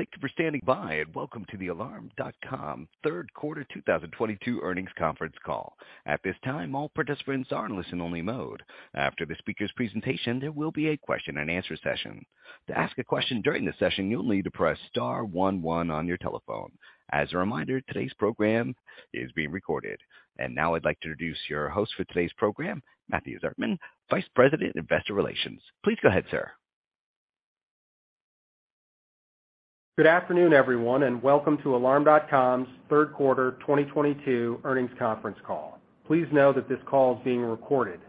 Thank you for standing by, welcome to the Alarm.com third quarter 2022 earnings conference call. At this time, all participants are in listen only mode. After the speaker's presentation, there will be a question and answer session. To ask a question during the session, you'll need to press star one one on your telephone. As a reminder, today's program is being recorded. Now I'd like to introduce your host for today's program, Matthew Zartman, Vice President of Investor Relations. Please go ahead, sir. Good afternoon, everyone, and welcome to Alarm.com's third quarter 2022 earnings conference call. Please know that this call is being recorded.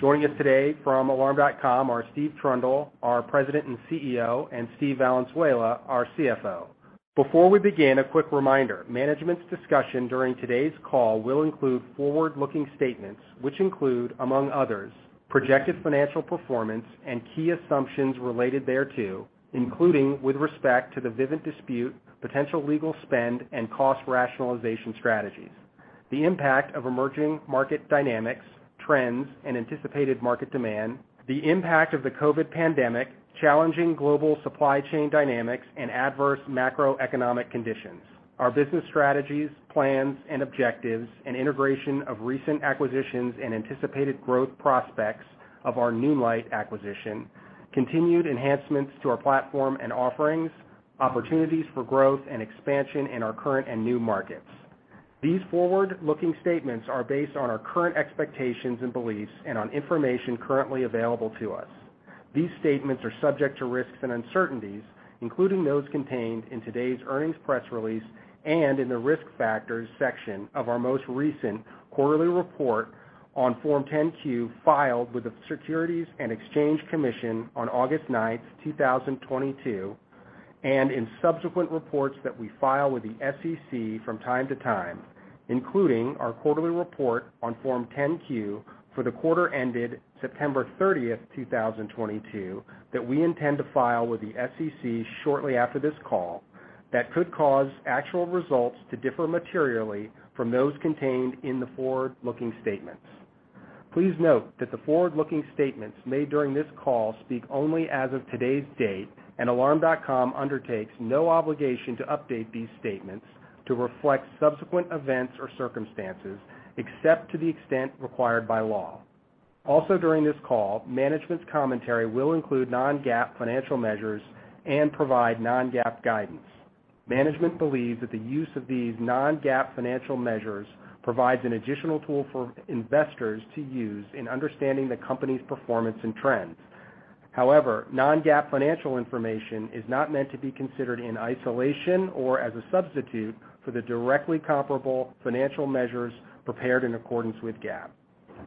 Joining us today from Alarm.com are Steve Trundle, our President and CEO, and Steve Valenzuela, our CFO. Before we begin, a quick reminder, management's discussion during today's call will include forward-looking statements which include, among others, projected financial performance and key assumptions related thereto, including with respect to the Vivint dispute, potential legal spend and cost rationalization strategies, the impact of emerging market dynamics, trends, and anticipated market demand, the impact of the COVID pandemic, challenging global supply chain dynamics, and adverse macroeconomic conditions, our business strategies, plans, and objectives, integration of recent acquisitions and anticipated growth prospects of our Noonlight acquisition, continued enhancements to our platform and offerings, opportunities for growth and expansion in our current and new markets. These forward-looking statements are based on our current expectations and beliefs and on information currently available to us. These statements are subject to risks and uncertainties, including those contained in today's earnings press release and in the Risk Factors section of our most recent quarterly report on Form 10-Q filed with the Securities and Exchange Commission on August 9th, 2022, and in subsequent reports that we file with the SEC from time to time, including our quarterly report on Form 10-Q for the quarter ended September 30th, 2022 that we intend to file with the SEC shortly after this call that could cause actual results to differ materially from those contained in the forward-looking statements. Please note that the forward-looking statements made during this call speak only as of today's date, Alarm.com undertakes no obligation to update these statements to reflect subsequent events or circumstances, except to the extent required by law. Also during this call, management's commentary will include non-GAAP financial measures and provide non-GAAP guidance. Management believes that the use of these non-GAAP financial measures provides an additional tool for investors to use in understanding the company's performance and trends. However, non-GAAP financial information is not meant to be considered in isolation or as a substitute for the directly comparable financial measures prepared in accordance with GAAP.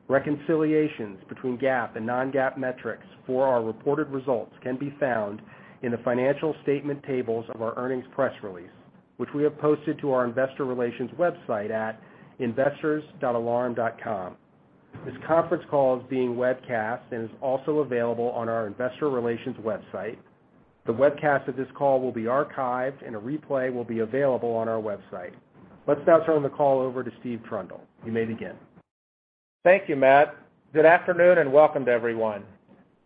Reconciliations between GAAP and non-GAAP metrics for our reported results can be found in the financial statement tables of our earnings press release, which we have posted to our investor relations website at investors.alarm.com. This conference call is being webcast and is also available on our investor relations website. The webcast of this call will be archived, and a replay will be available on our website. Let's now turn the call over to Steve Trundle. You may begin. Thank you, Matt. Good afternoon, and welcome to everyone.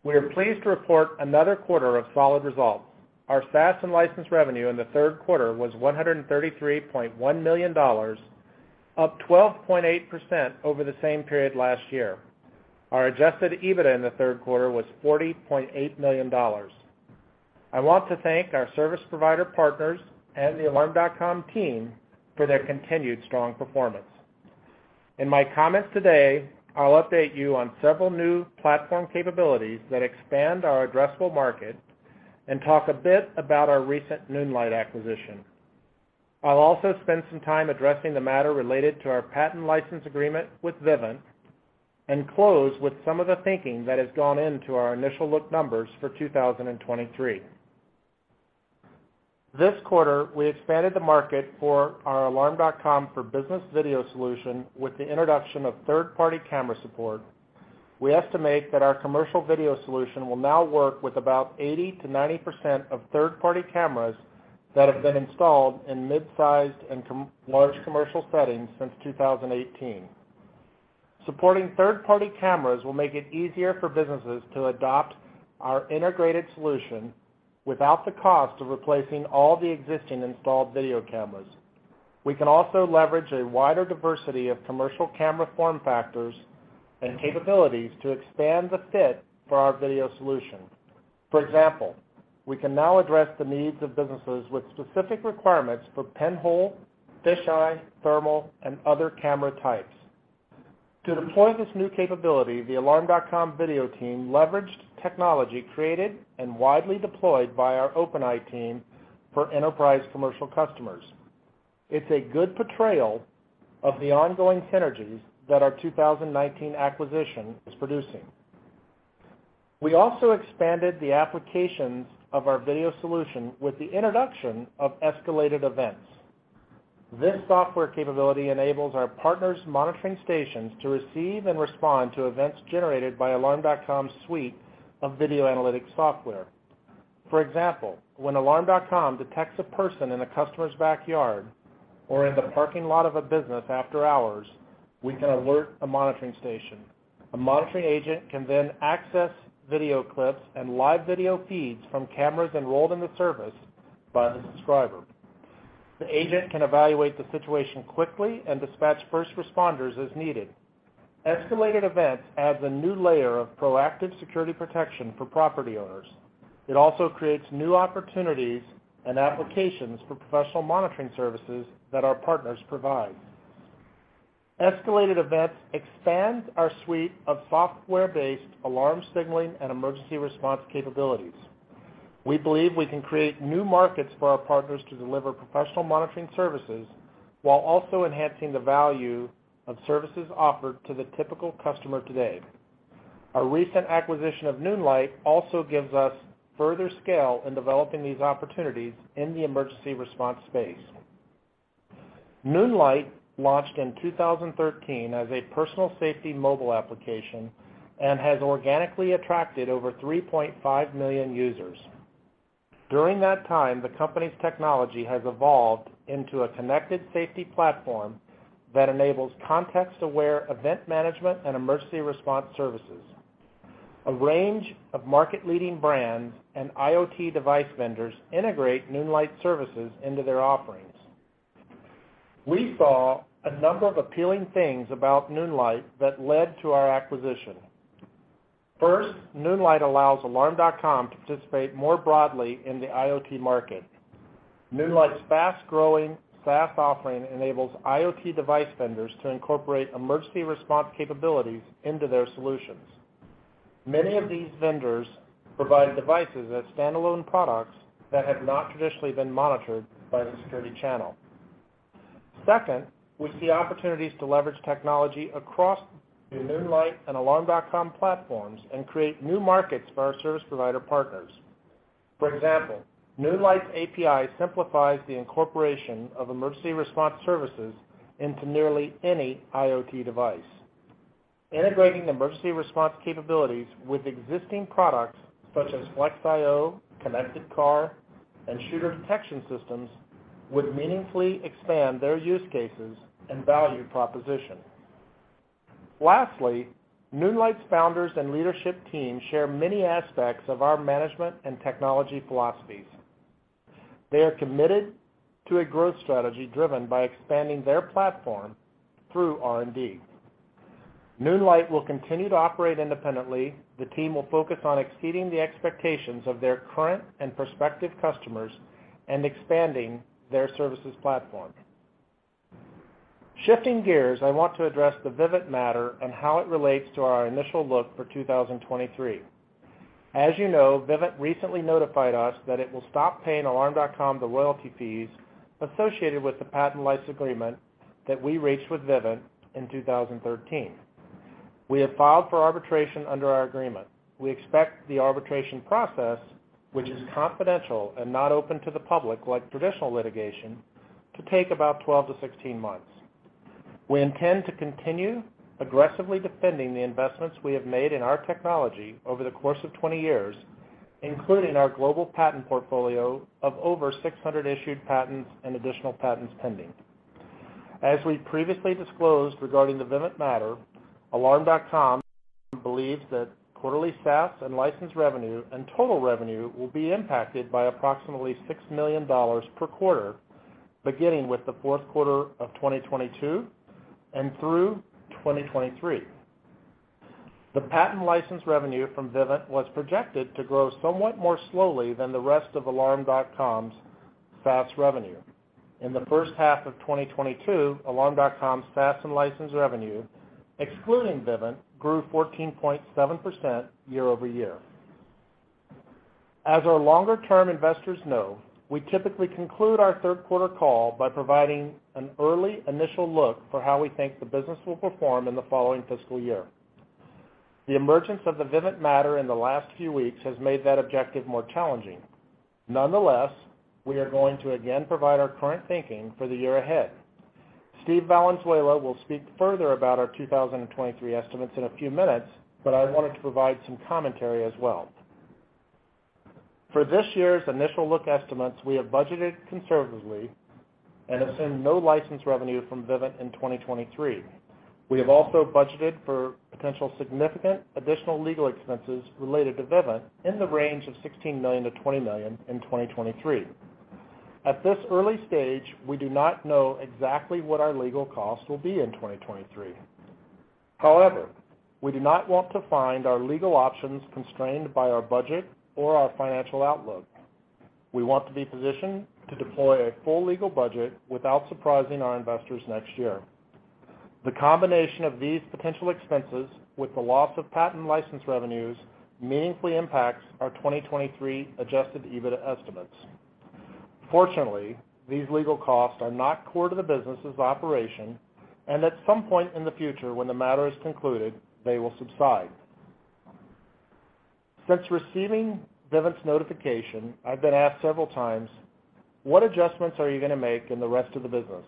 We are pleased to report another quarter of solid results. Our SaaS and license revenue in the third quarter was $133.1 million, up 12.8% over the same period last year. Our adjusted EBITDA in the third quarter was $40.8 million. I want to thank our service provider partners and the Alarm.com team for their continued strong performance. In my comments today, I'll update you on several new platform capabilities that expand our addressable market and talk a bit about our recent Noonlight acquisition. I'll also spend some time addressing the matter related to our patent license agreement with Vivint and close with some of the thinking that has gone into our initial look numbers for 2023. This quarter, we expanded the market for our Alarm.com for Business video solution with the introduction of third-party camera support. We estimate that our commercial video solution will now work with about 80%-90% of third-party cameras that have been installed in mid-sized and large commercial settings since 2018. Supporting third-party cameras will make it easier for businesses to adopt our integrated solution without the cost of replacing all the existing installed video cameras. We can also leverage a wider diversity of commercial camera form factors and capabilities to expand the fit for our video solution. For example, we can now address the needs of businesses with specific requirements for pinhole, fisheye, thermal, and other camera types. To deploy this new capability, the Alarm.com Video team leveraged technology created and widely deployed by our OpenEye team for enterprise commercial customers. It's a good portrayal of the ongoing synergies that our 2019 acquisition is producing. We also expanded the applications of our video solution with the introduction of Escalated Events. This software capability enables our partners' monitoring stations to receive and respond to events generated by Alarm.com's suite of video analytics software. For example, when Alarm.com detects a person in a customer's backyard Or in the parking lot of a business after hours, we can alert a monitoring station. A monitoring agent can then access video clips and live video feeds from cameras enrolled in the service by the subscriber. The agent can evaluate the situation quickly and dispatch first responders as needed. Escalated Events adds a new layer of proactive security protection for property owners. It also creates new opportunities and applications for professional monitoring services that our partners provide. Escalated Events expands our suite of software-based alarm signaling and emergency response capabilities. We believe we can create new markets for our partners to deliver professional monitoring services while also enhancing the value of services offered to the typical customer today. Our recent acquisition of Noonlight also gives us further scale in developing these opportunities in the emergency response space. Noonlight launched in 2013 as a personal safety mobile application and has organically attracted over 3.5 million users. During that time, the company's technology has evolved into a connected safety platform that enables context-aware event management and emergency response services. A range of market-leading brands and IoT device vendors integrate Noonlight services into their offerings. We saw a number of appealing things about Noonlight that led to our acquisition. First, Noonlight allows Alarm.com to participate more broadly in the IoT market. Noonlight's fast-growing SaaS offering enables IoT device vendors to incorporate emergency response capabilities into their solutions. Many of these vendors provide devices as standalone products that have not traditionally been monitored by the security channel. Second, we see opportunities to leverage technology across the Noonlight and Alarm.com platforms and create new markets for our service provider partners. For example, Noonlight's API simplifies the incorporation of emergency response services into nearly any IoT device. Integrating emergency response capabilities with existing products such as Flex IO, Connected Car, and shooter detection systems would meaningfully expand their use cases and value proposition. Lastly, Noonlight's founders and leadership team share many aspects of our management and technology philosophies. They are committed to a growth strategy driven by expanding their platform through R&D. Noonlight will continue to operate independently. The team will focus on exceeding the expectations of their current and prospective customers and expanding their services platform. Shifting gears, I want to address the Vivint matter and how it relates to our initial look for 2023. As you know, Vivint recently notified us that it will stop paying Alarm.com the royalty fees associated with the patent license agreement that we reached with Vivint in 2013. We have filed for arbitration under our agreement. We expect the arbitration process, which is confidential and not open to the public like traditional litigation, to take about 12 to 16 months. We intend to continue aggressively defending the investments we have made in our technology over the course of 20 years, including our global patent portfolio of over 600 issued patents and additional patents pending. As we previously disclosed regarding the Vivint matter, Alarm.com believes that quarterly SaaS and license revenue and total revenue will be impacted by approximately $6 million per quarter, beginning with the fourth quarter of 2022 and through 2023. The patent license revenue from Vivint was projected to grow somewhat more slowly than the rest of Alarm.com's SaaS revenue. In the first half of 2022, Alarm.com's SaaS and license revenue, excluding Vivint, grew 14.7% year-over-year. As our longer-term investors know, we typically conclude our third quarter call by providing an early initial look for how we think the business will perform in the following fiscal year. The emergence of the Vivint matter in the last few weeks has made that objective more challenging. We are going to again provide our current thinking for the year ahead. Steve Valenzuela will speak further about our 2023 estimates in a few minutes. I wanted to provide some commentary as well. For this year's initial look estimates, we have budgeted conservatively and assumed no license revenue from Vivint in 2023. We have also budgeted for potential significant additional legal expenses related to Vivint in the range of $16 million-$20 million in 2023. At this early stage, we do not know exactly what our legal costs will be in 2023. However, we do not want to find our legal options constrained by our budget or our financial outlook. We want to be positioned to deploy a full legal budget without surprising our investors next year. The combination of these potential expenses with the loss of patent license revenues meaningfully impacts our 2023 adjusted EBITDA estimates. Fortunately, these legal costs are not core to the business's operation. At some point in the future when the matter is concluded, they will subside. Since receiving Vivint's notification, I've been asked several times, "What adjustments are you going to make in the rest of the business?"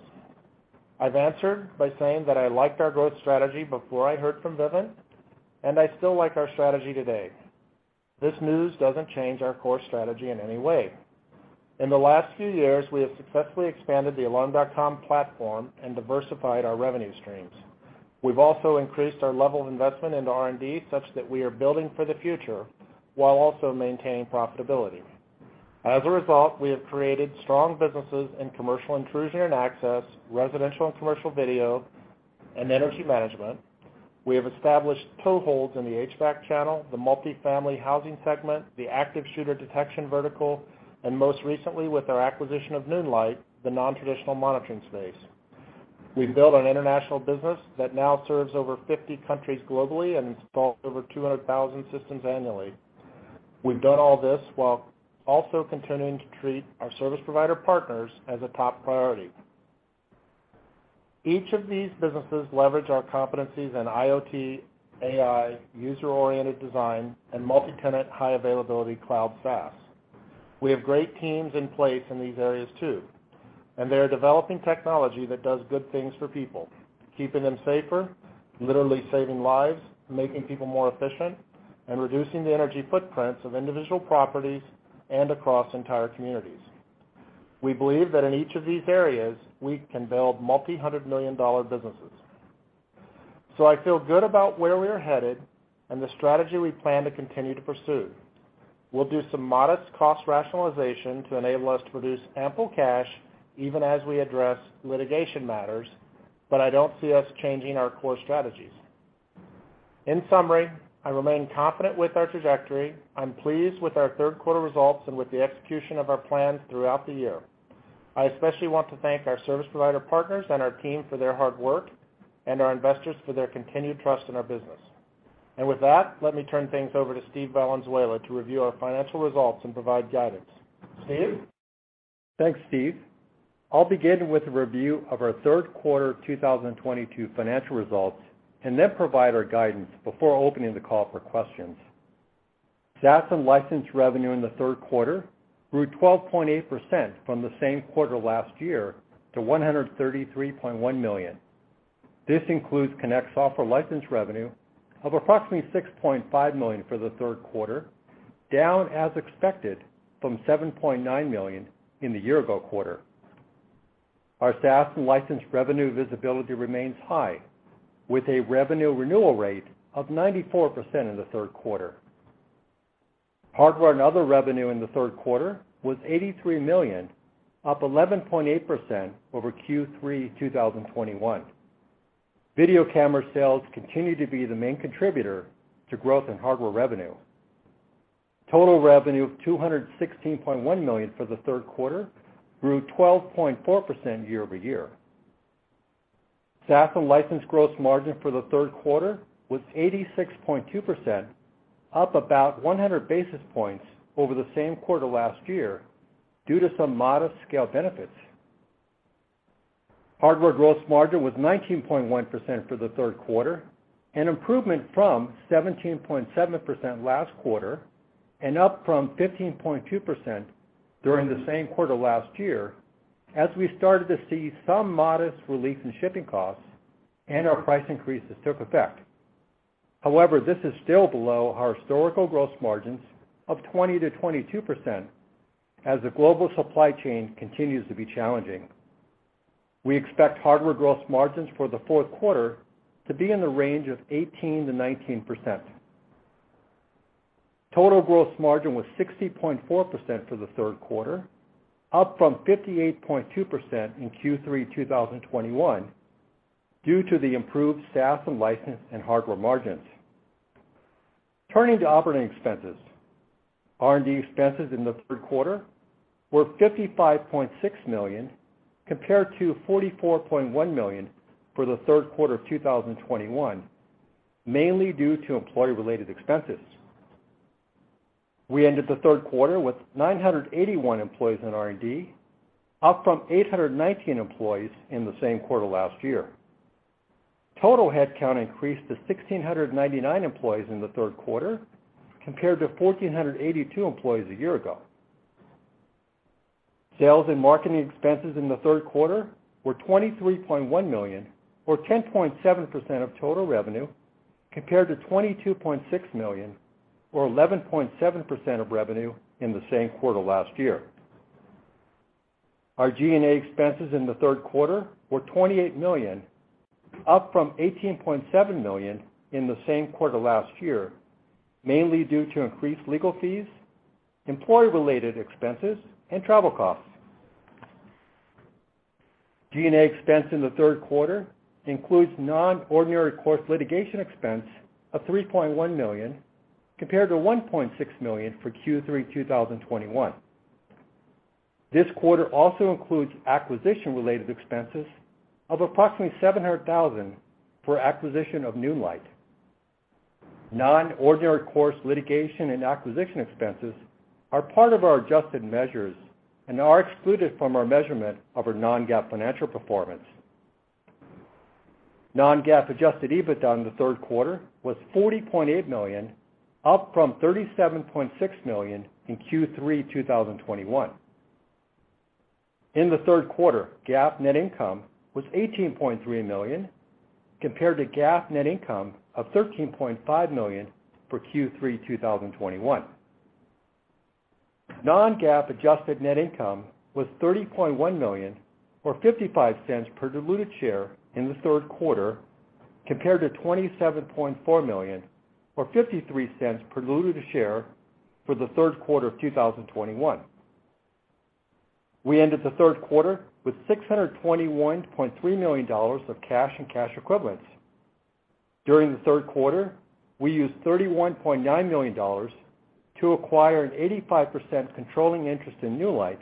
I've answered by saying that I liked our growth strategy before I heard from Vivint. I still like our strategy today. This news doesn't change our core strategy in any way. In the last few years, we have successfully expanded the Alarm.com platform and diversified our revenue streams. We've also increased our level of investment into R&D such that we are building for the future while also maintaining profitability. As a result, we have created strong businesses in commercial intrusion and access, residential and commercial video, and energy management. We have established toeholds in the HVAC channel, the multi-family housing segment, the active shooter detection vertical. Most recently, with our acquisition of Noonlight, the nontraditional monitoring space. We've built an international business that now serves over 50 countries globally and installs over 200,000 systems annually. We've done all this while also continuing to treat our service provider partners as a top priority. Each of these businesses leverage our competencies in IoT, AI, user-oriented design, and multi-tenant high availability cloud SaaS. We have great teams in place in these areas too. They are developing technology that does good things for people, keeping them safer, literally saving lives, making people more efficient, and reducing the energy footprints of individual properties and across entire communities. We believe that in each of these areas, we can build multi-hundred-million-dollar businesses. I feel good about where we are headed and the strategy we plan to continue to pursue. We'll do some modest cost rationalization to enable us to produce ample cash even as we address litigation matters. I don't see us changing our core strategies. In summary, I remain confident with our trajectory. I'm pleased with our third quarter results and with the execution of our plans throughout the year. I especially want to thank our service provider partners and our team for their hard work, and our investors for their continued trust in our business. With that, let me turn things over to Steve Valenzuela to review our financial results and provide guidance. Steve? Thanks, Steve. I'll begin with a review of our third quarter 2022 financial results and then provide our guidance before opening the call for questions. SaaS and license revenue in the third quarter grew 12.8% from the same quarter last year to $133.1 million. This includes Connect software license revenue of approximately $6.5 million for the third quarter, down as expected from $7.9 million in the year-ago quarter. Our SaaS and license revenue visibility remains high, with a revenue renewal rate of 94% in the third quarter. Hardware and other revenue in the third quarter was $83 million, up 11.8% over Q3 2021. Video camera sales continue to be the main contributor to growth in hardware revenue. Total revenue of $216.1 million for the third quarter grew 12.4% year-over-year. SaaS and license gross margin for the third quarter was 86.2%, up about 100 basis points over the same quarter last year due to some modest scale benefits. Hardware gross margin was 19.1% for the third quarter, an improvement from 17.7% last quarter and up from 15.2% during the same quarter last year as we started to see some modest relief in shipping costs and our price increases took effect. However, this is still below our historical gross margins of 20%-22% as the global supply chain continues to be challenging. We expect hardware gross margins for the fourth quarter to be in the range of 18%-19%. Total gross margin was 60.4% for the third quarter, up from 58.2% in Q3 2021 due to the improved SaaS and license and hardware margins. Turning to operating expenses. R&D expenses in the third quarter were $55.6 million, compared to $44.1 million for the third quarter of 2021, mainly due to employee-related expenses. We ended the third quarter with 981 employees in R&D, up from 819 employees in the same quarter last year. Total headcount increased to 1,699 employees in the third quarter, compared to 1,482 employees a year ago. Sales and marketing expenses in the third quarter were $23.1 million, or 10.7% of total revenue, compared to $22.6 million, or 11.7% of revenue in the same quarter last year. Our G&A expenses in the third quarter were $28 million, up from $18.7 million in the same quarter last year, mainly due to increased legal fees, employee-related expenses, and travel costs. G&A expense in the third quarter includes non-ordinary course litigation expense of $3.1 million, compared to $1.6 million for Q3 2021. This quarter also includes acquisition-related expenses of approximately $700,000 for acquisition of Noonlight. Non-ordinary course litigation and acquisition expenses are part of our adjusted measures and are excluded from our measurement of our non-GAAP financial performance. Non-GAAP adjusted EBITDA in the third quarter was $40.8 million, up from $37.6 million in Q3 2021. In the third quarter, GAAP net income was $18.3 million, compared to GAAP net income of $13.5 million for Q3 2021. Non-GAAP adjusted net income was $30.1 million, or $0.55 per diluted share in the third quarter, compared to $27.4 million, or $0.53 per diluted share for the third quarter of 2021. We ended the third quarter with $621.3 million of cash and cash equivalents. During the third quarter, we used $31.9 million to acquire an 85% controlling interest in Noonlight,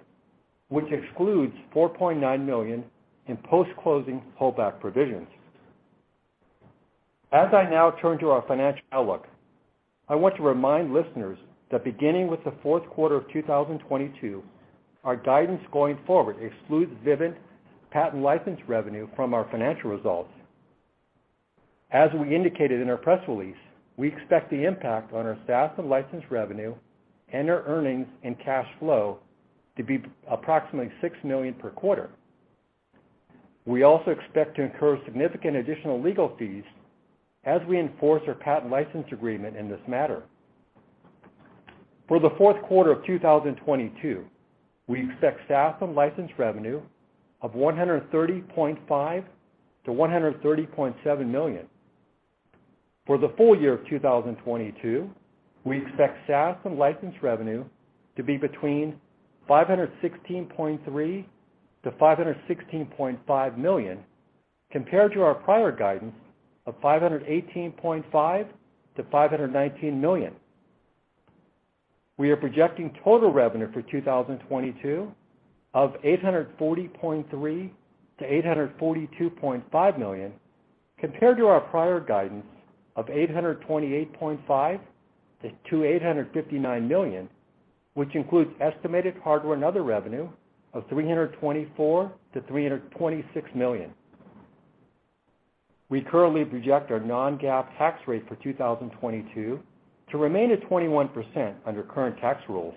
which excludes $4.9 million in post-closing holdback provisions. I now turn to our financial outlook, I want to remind listeners that beginning with the fourth quarter of 2022, our guidance going forward excludes Vivint patent license revenue from our financial results. As we indicated in our press release, we expect the impact on our SaaS and license revenue and our earnings and cash flow to be approximately $6 million per quarter. We also expect to incur significant additional legal fees as we enforce our patent license agreement in this matter. For the fourth quarter of 2022, we expect SaaS and license revenue of $130.5 million-$130.7 million. For the full year of 2022, we expect SaaS and license revenue to be between $516.3 million and $516.5 million, compared to our prior guidance of $518.5 million-$519 million. We are projecting total revenue for 2022 of $840.3 million-$842.5 million, compared to our prior guidance of $828.5 million-$859 million, which includes estimated hardware and other revenue of $324 million-$326 million. We currently project our non-GAAP tax rate for 2022 to remain at 21% under current tax rules.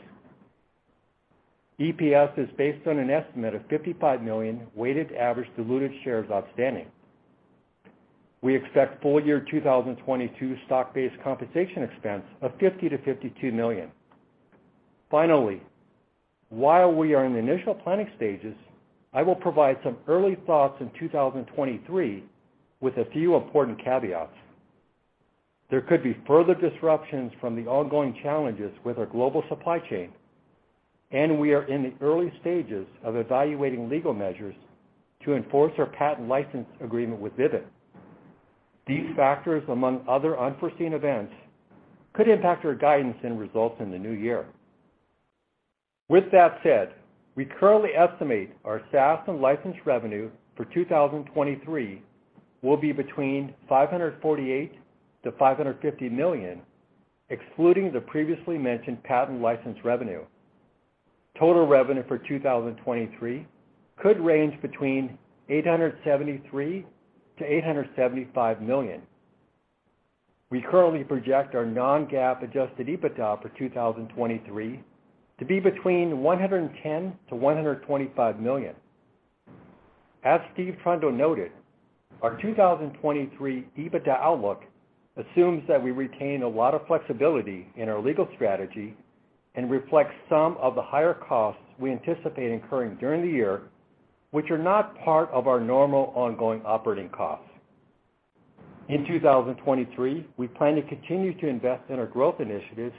EPS is based on an estimate of 55 million weighted average diluted shares outstanding. We expect full year 2022 stock-based compensation expense of $50 million-$52 million. Finally, while we are in the initial planning stages, I will provide some early thoughts in 2023 with a few important caveats. There could be further disruptions from the ongoing challenges with our global supply chain, and we are in the early stages of evaluating legal measures to enforce our patent license agreement with Vivint. These factors, among other unforeseen events, could impact our guidance and results in the new year. With that said, we currently estimate our SaaS and license revenue for 2023 will be between $548 million and $550 million, excluding the previously mentioned patent license revenue. Total revenue for 2023 could range between $873 million and $875 million. We currently project our non-GAAP adjusted EBITDA for 2023 to be between $110 million and $125 million. As Steve Trundle noted, our 2023 EBITDA outlook assumes that we retain a lot of flexibility in our legal strategy and reflects some of the higher costs we anticipate incurring during the year, which are not part of our normal ongoing operating costs. In 2023, we plan to continue to invest in our growth initiatives,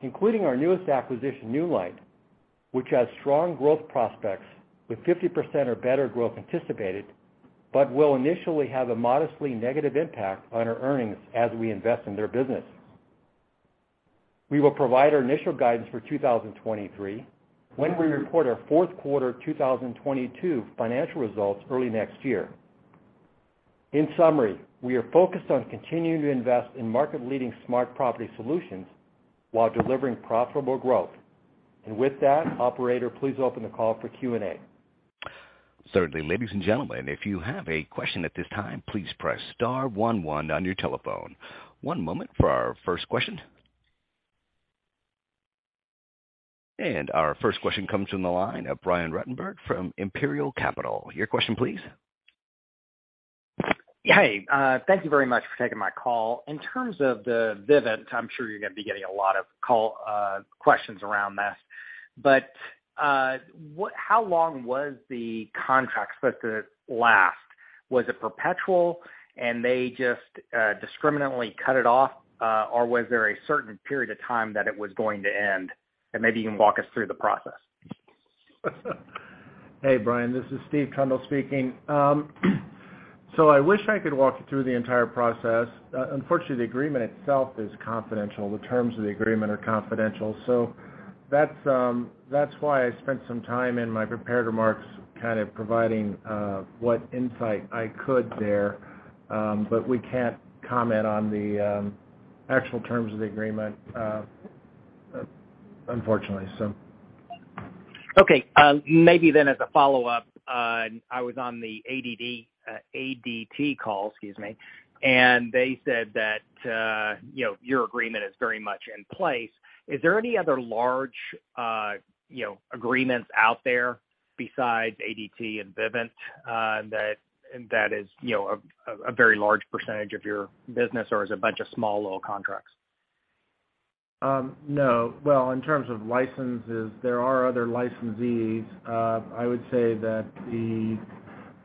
including our newest acquisition, Noonlight, which has strong growth prospects with 50% or better growth anticipated, but will initially have a modestly negative impact on our earnings as we invest in their business. We will provide our initial guidance for 2023 when we report our fourth quarter 2022 financial results early next year. In summary, we are focused on continuing to invest in market-leading smart property solutions while delivering profitable growth. With that, operator, please open the call for Q&A. Certainly. Ladies and gentlemen, if you have a question at this time, please press star one one on your telephone. One moment for our first question. Our first question comes from the line of from Imperial Capital. Your question please. Hey. Thank you very much for taking my call. In terms of the Vivint, I'm sure you're going to be getting a lot of questions around this, how long was the contract supposed to last? Was it perpetual and they just discriminantly cut it off? Or was there a certain period of time that it was going to end? Maybe you can walk us through the process. Hey, Brian. This is Steve Trundle speaking. I wish I could walk you through the entire process. Unfortunately, the agreement itself is confidential. The terms of the agreement are confidential, that's why I spent some time in my prepared remarks kind of providing what insight I could there, we can't comment on the actual terms of the agreement, unfortunately. Okay. Maybe then as a follow-up, I was on the ADT call, excuse me, they said that your agreement is very much in place. Is there any other large agreements out there besides ADT and Vivint, that is a very large percentage of your business, or is it a bunch of small little contracts? No. Well, in terms of licenses, there are other licensees. I would say that the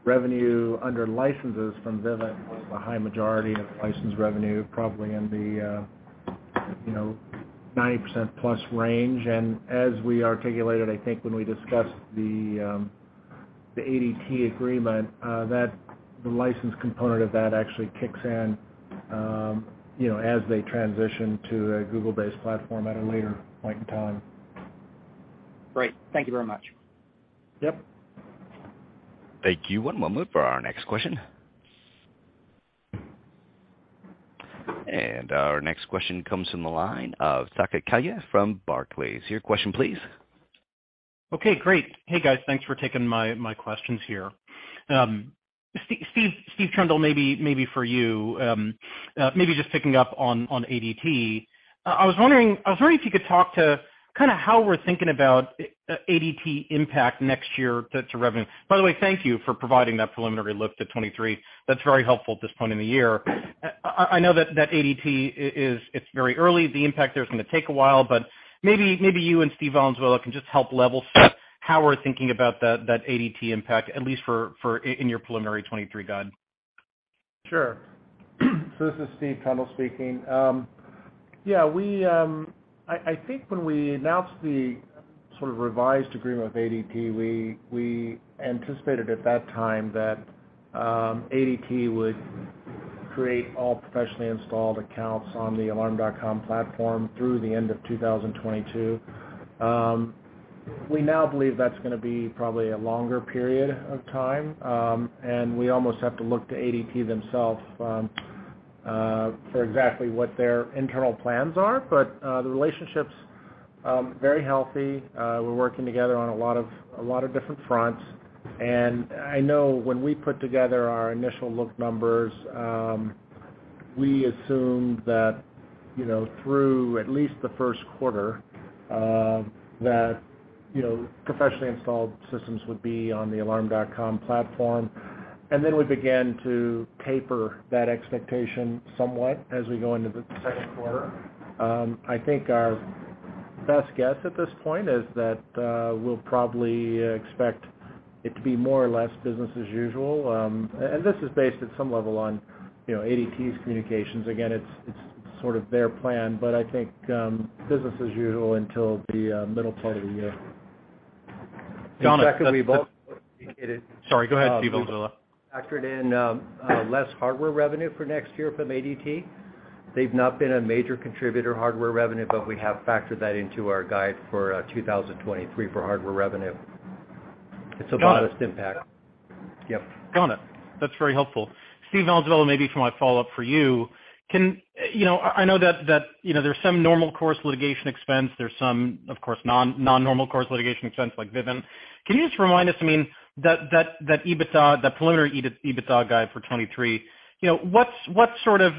revenue under licenses from Vivint holds a high majority of license revenue, probably in the 90% plus range. As we articulated, I think when we discussed the ADT agreement, that the license component of that actually kicks in as they transition to a Google-based platform at a later point in time. Great. Thank you very much. Yep. Thank you. One moment for our next question. Our next question comes from the line of Saket Kalia from Barclays. Your question, please. Okay, great. Hey, guys. Thanks for taking my questions here. Steve Trundle, maybe for you. Maybe just picking up on ADT. I was wondering if you could talk to how we're thinking about ADT impact next year to revenue. By the way, thank you for providing that preliminary look to 2023. That's very helpful at this point in the year. I know that ADT is very early. The impact there is going to take a while, but maybe you and Steve Valenzuela can just help level-set how we're thinking about that ADT impact, at least in your preliminary 2023 guide. Sure. This is Steve Trundle speaking. I think when we announced the sort of revised agreement with ADT, we anticipated at that time that ADT would create all professionally installed accounts on the Alarm.com platform through the end of 2022. We now believe that's going to be probably a longer period of time, and we almost have to look to ADT themselves for exactly what their internal plans are. The relationship's very healthy. We're working together on a lot of different fronts, and I know when we put together our initial look numbers, we assumed that through at least the first quarter, that professionally installed systems would be on the Alarm.com platform. Then we began to taper that expectation somewhat as we go into the second quarter. I think our best guess at this point is that we'll probably expect it to be more or less business as usual. This is based at some level on ADT's communications. Again, it's sort of their plan, but I think business as usual until the middle part of the year. Got it. Sorry, go ahead, Steve Valenzuela. We've factored in less hardware revenue for next year from ADT. They've not been a major contributor to hardware revenue, we have factored that into our guide for 2023 for hardware revenue. It's a modest impact. Got it. Yep. Got it. That's very helpful. Steve Valenzuela, maybe for my follow-up for you, I know that there's some normal course litigation expense. There's some, of course, non-normal course litigation expense like Vivint. Can you just remind us, that preliminary EBITDA guide for 2023, what's sort of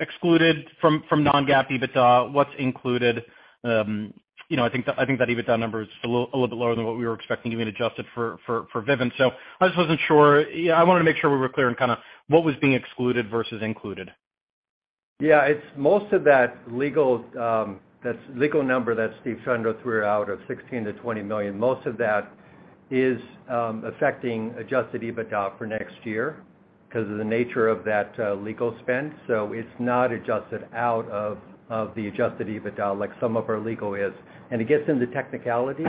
excluded from non-GAAP EBITDA? What's included? I think that EBITDA number is a little bit lower than what we were expecting given adjusted for Vivint. I just wasn't sure. I wanted to make sure we were clear on what was being excluded versus included. Yeah. Most of that legal number that Steve Trundle threw out of $16 million-$20 million, most of that is affecting adjusted EBITDA for next year because of the nature of that legal spend. It's not adjusted out of the adjusted EBITDA like some of our legal is. It gets into technicalities,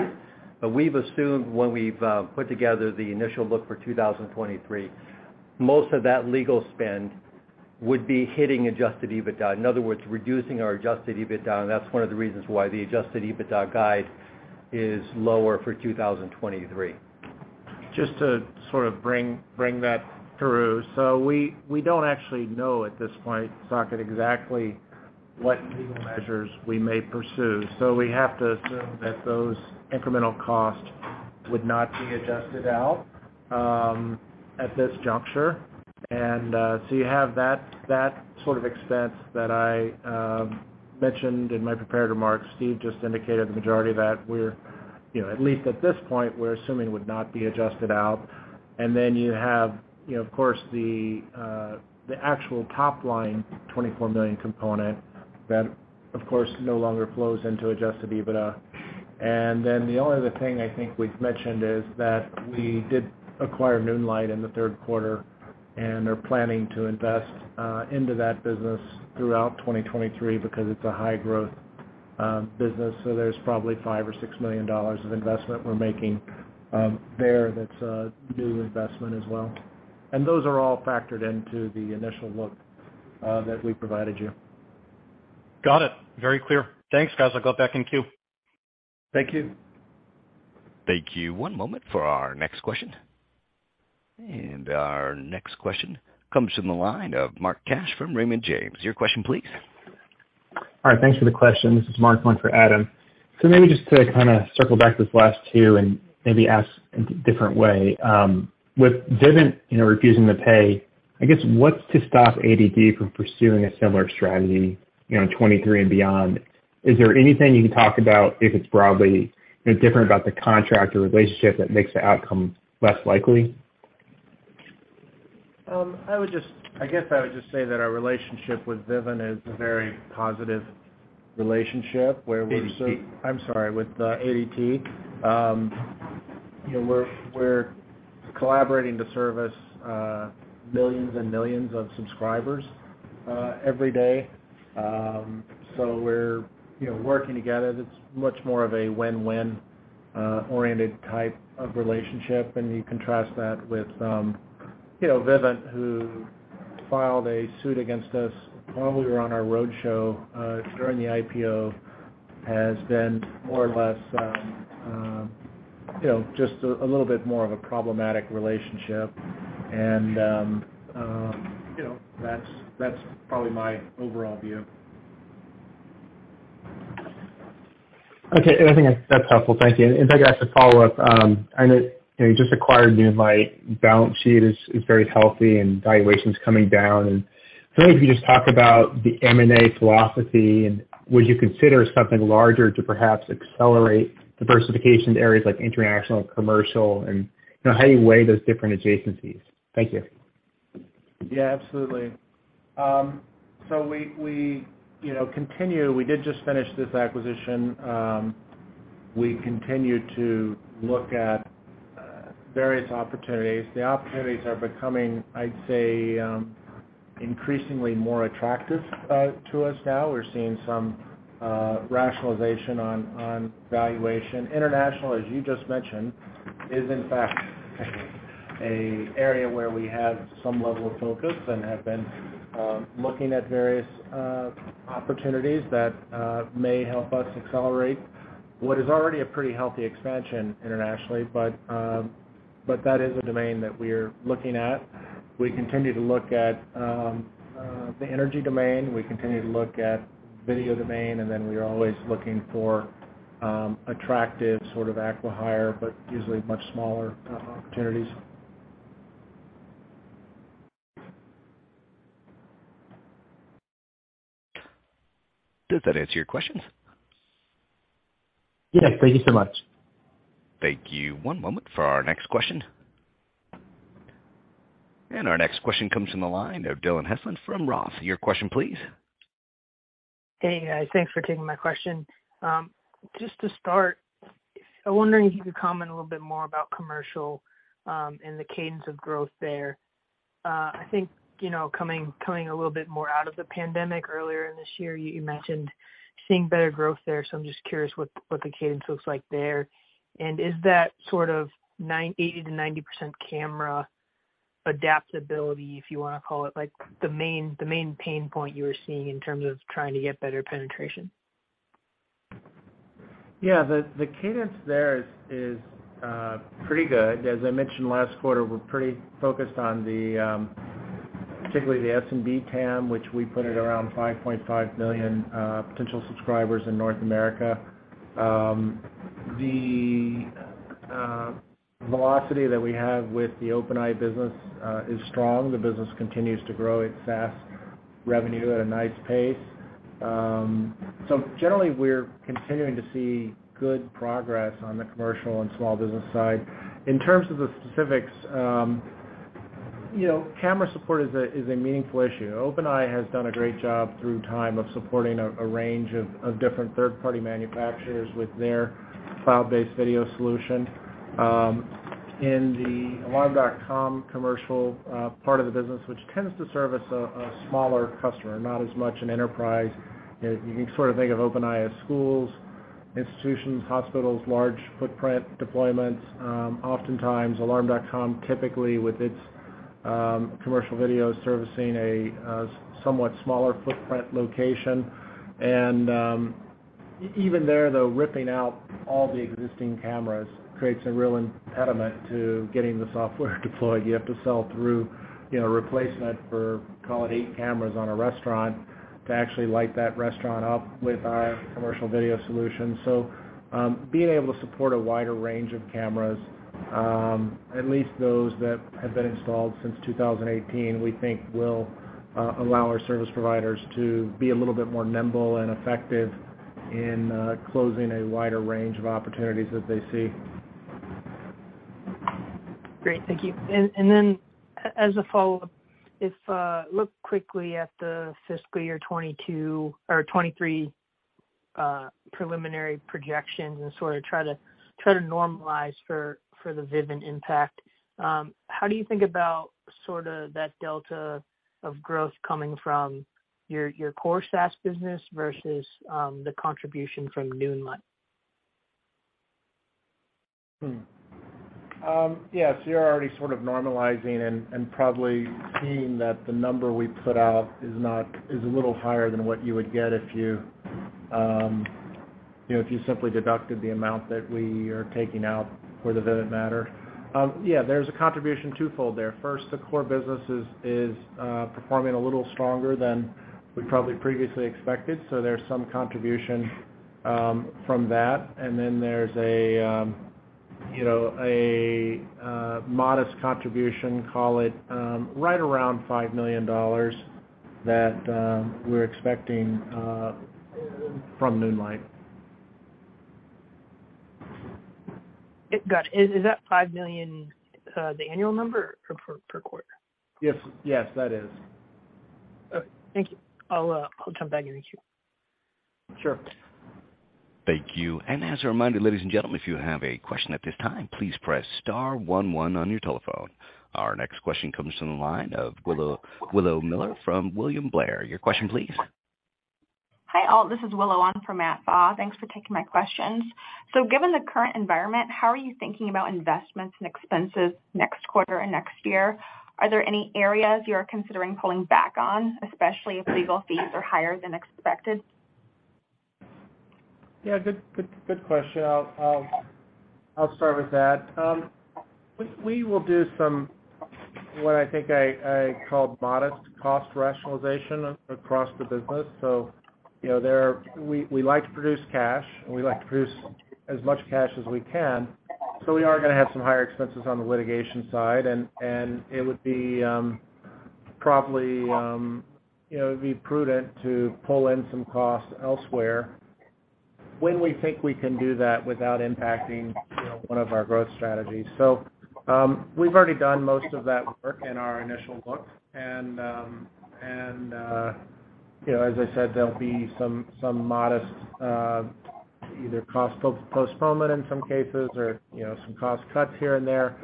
but we've assumed when we've put together the initial look for 2023, most of that legal spend would be hitting adjusted EBITDA. In other words, reducing our adjusted EBITDA, that's one of the reasons why the adjusted EBITDA guide is lower for 2023. Just to sort of bring that through. We don't actually know at this point, Saket, exactly what legal measures we may pursue. We have to assume that those incremental costs would not be adjusted out at this juncture. You have that sort of expense that I mentioned in my prepared remarks. Steve just indicated the majority of that, at least at this point, we're assuming would not be adjusted out. Then you have, of course, the actual top-line $24 million component that, of course, no longer flows into adjusted EBITDA. The only other thing I think we've mentioned is that we did acquire Noonlight in the third quarter and are planning to invest into that business throughout 2023 because it's a high-growth business. There's probably $5 million or $6 million of investment we're making there that's a new investment as well. Those are all factored into the initial look that we provided you. Got it. Very clear. Thanks, guys. I'll go back in queue. Thank you. Thank you. One moment for our next question. Our next question comes from the line of Mark Cash from Raymond James. Your question, please. All right. Thanks for the question. This is Mark on for Adam. Maybe just to circle back to the last two and maybe ask in a different way. With Vivint refusing to pay, I guess what's to stop ADT from pursuing a similar strategy in 2023 and beyond? Is there anything you can talk about, if it's broadly different about the contract or relationship that makes the outcome less likely? I guess I would just say that our relationship with Vivint is a very positive relationship. ADT. I'm sorry, with ADT. We're collaborating to service millions and millions of subscribers every day. We're working together. It's much more of a win-win oriented type of relationship, and you contrast that with Vivint, who filed a suit against us while we were on our roadshow during the IPO, has been more or less, just a little bit more of a problematic relationship. That's probably my overall view. Okay. I think that's helpful. Thank you. If I could ask a follow-up. I know you just acquired Noonlight, balance sheet is very healthy, and valuation's coming down. So maybe if you just talk about the M&A philosophy and would you consider something larger to perhaps accelerate diversification to areas like international, commercial, and how do you weigh those different adjacencies? Thank you. Yeah, absolutely. We did just finish this acquisition. We continue to look at various opportunities. The opportunities are becoming, I'd say, increasingly more attractive to us now. We're seeing some rationalization on valuation. International, as you just mentioned, is in fact an area where we have some level of focus and have been looking at various opportunities that may help us accelerate what is already a pretty healthy expansion internationally. That is a domain that we're looking at. We continue to look at the energy domain, we continue to look at video domain, and then we are always looking for attractive sort of acquihire, but usually much smaller opportunities. Does that answer your questions? Yes. Thank you so much. Thank you. One moment for our next question. Our next question comes from the line of Dillon Heslin from ROTH Capital Partners. Your question, please. Hey, guys. Thanks for taking my question. Just to start, I wonder if you could comment a little bit more about commercial and the cadence of growth there. I think, coming a little bit more out of the pandemic earlier in this year, you mentioned seeing better growth there, so I'm just curious what the cadence looks like there. Is that sort of 80%-90% camera adaptability, if you want to call it, like the main pain point you were seeing in terms of trying to get better penetration? Yeah. The cadence there is pretty good. As I mentioned last quarter, we're pretty focused on particularly the SMB TAM, which we put at around 5.5 million potential subscribers in North America. The velocity that we have with the OpenEye business is strong. The business continues to grow its revenue at a nice pace. Generally, we're continuing to see good progress on the commercial and small business side. In terms of the specifics, camera support is a meaningful issue. OpenEye has done a great job through time of supporting a range of different third-party manufacturers with their cloud-based video solution. In the Alarm.com commercial part of the business, which tends to service a smaller customer, not as much an enterprise. You can sort of think of OpenEye as schools, institutions, hospitals, large footprint deployments. Oftentimes, Alarm.com, typically with its commercial video, servicing a somewhat smaller footprint location. Even there, though, ripping out all the existing cameras creates a real impediment to getting the software deployed. You have to sell through replacement for, call it eight cameras on a restaurant to actually light that restaurant up with our commercial video solution. Being able to support a wider range of cameras, at least those that have been installed since 2018, we think will allow our service providers to be a little bit more nimble and effective in closing a wider range of opportunities that they see. Great. Thank you. As a follow-up, if look quickly at the fiscal year 2023 preliminary projections and sort of try to normalize for the Vivint impact, how do you think about sort of that delta of growth coming from your core SaaS business versus the contribution from Noonlight? Yes. You're already sort of normalizing and probably seeing that the number we put out is a little higher than what you would get if you simply deducted the amount that we are taking out for the Vivint matter. There's a contribution twofold there. First, the core business is performing a little stronger than we probably previously expected, so there's some contribution from that. There's a modest contribution, call it right around $5 million that we're expecting from Noonlight. Got it. Is that $5 million the annual number or per quarter? Yes, that is. Okay. Thank you. I'll jump back in the queue. Sure. Thank you. As a reminder, ladies and gentlemen, if you have a question at this time, please press star 11 on your telephone. Our next question comes from the line of Stephen Sheldon from William Blair. Your question, please. Hi, all. This is Stephen on for Matt Pfau. Thanks for taking my questions. Given the current environment, how are you thinking about investments and expenses next quarter and next year? Are there any areas you're considering pulling back on, especially if legal fees are higher than expected? Good question. I'll start with that. We will do some, what I think I call modest cost rationalization across the business. We like to produce cash, and we like to produce as much cash as we can. We are going to have some higher expenses on the litigation side, and it would be prudent to pull in some costs elsewhere when we think we can do that without impacting one of our growth strategies. We've already done most of that work in our initial look. As I said, there'll be some modest either cost postponement in some cases or some cost cuts here and there,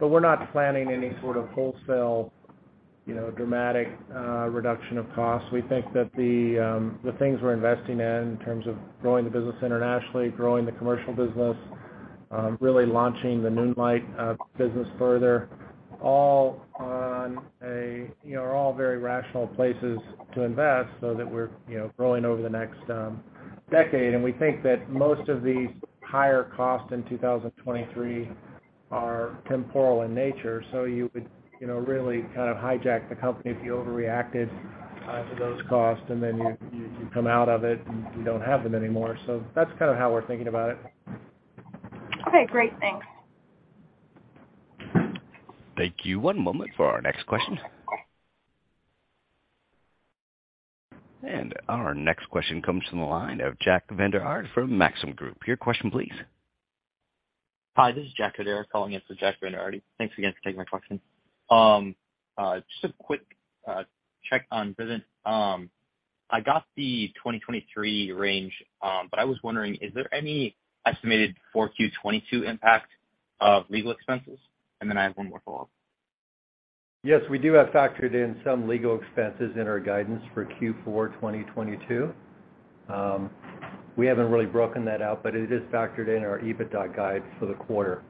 but we're not planning any sort of wholesale dramatic reduction of costs. We think that the things we're investing in terms of growing the business internationally, growing the commercial business, really launching the Noonlight business further, are all very rational places to invest so that we're growing over the next decade. We think that most of these higher costs in 2023 are temporal in nature. You would really kind of hijack the company if you overreacted to those costs, and then you come out of it, and you don't have them anymore. That's kind of how we're thinking about it. Okay, great. Thanks. Thank you. One moment for our next question. Our next question comes from the line of Jack Vander Aarde from Maxim Group. Your question please. Hi, this is Jack Vander Aarde calling in for Jack Vander Aarde. Thanks again for taking my question. Just a quick check on Vivint. I got the 2023 range. I was wondering, is there any estimated 4Q22 impact of legal expenses? I have one more follow-up. Yes, we do have factored in some legal expenses in our guidance for Q4 2022. We haven't really broken that out, but it is factored in our EBITDA guide for the quarter.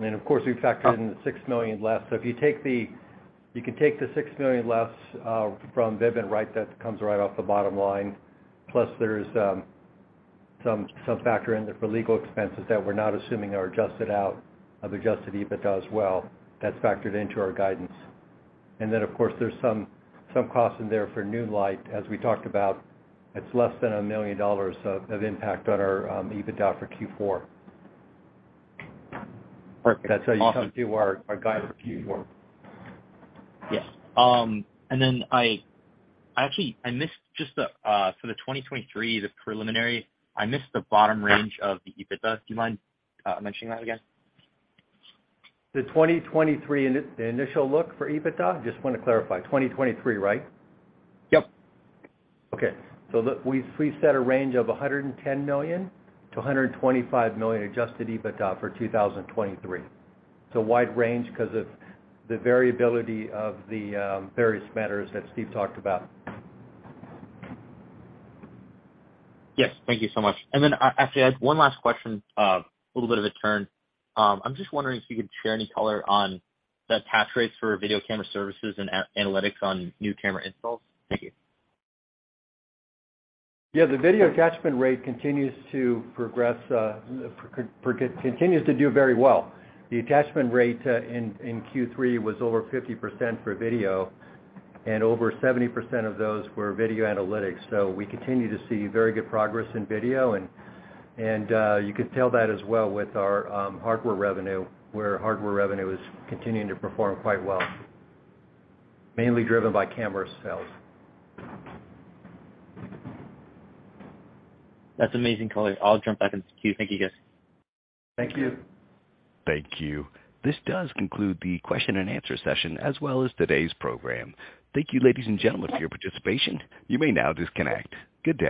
Of course, we've factored in the $6 million less. You can take the $6 million less from Vivint that comes right off the bottom line. Plus there's some factor in there for legal expenses that we're not assuming are adjusted out of adjusted EBITDA as well. That's factored into our guidance. Of course, there's some cost in there for Noonlight as we talked about. It's less than $1 million of impact on our EBITDA for Q4. Perfect. Awesome. That's how you come to our guide for Q4. Yes. For the 2023, the preliminary, I missed the bottom range of the EBITDA. Do you mind mentioning that again? The 2023, the initial look for EBITDA? Just want to clarify. 2023, right? Yep. We set a range of $110 million-$125 million adjusted EBITDA for 2023. It's a wide range because of the variability of the various matters that Steve talked about. Yes. Thank you so much. I had one last question, a little bit of a turn. I'm just wondering if you could share any color on the attach rates for video camera services and analytics on new camera installs. Thank you. The video attachment rate continues to do very well. The attachment rate in Q3 was over 50% for video, and over 70% of those were video analytics. We continue to see very good progress in video, and you could tell that as well with our hardware revenue, where hardware revenue is continuing to perform quite well, mainly driven by camera sales. That's amazing color. I'll jump back in the queue. Thank you, guys. Thank you. Thank you. This does conclude the question and answer session as well as today's program. Thank you, ladies and gentlemen, for your participation. You may now disconnect. Good day.